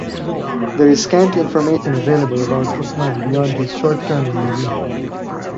There is scant information available about Uthman beyond his short term in Medina.